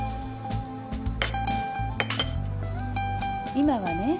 今はね